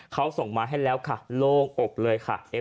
เขาส่งมาให้แล้วค่ะโล่งอกเลยค่ะ